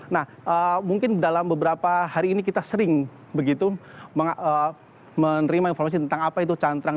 nah mungkin dalam beberapa hari ini kita sering begitu menerima informasi tentang apa itu cantrang